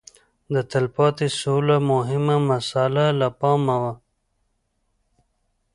د تلپاتې سولې مهمه مساله له پامه